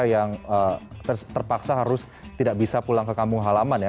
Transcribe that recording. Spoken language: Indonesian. yang terpaksa harus tidak bisa pulang ke kampung halaman ya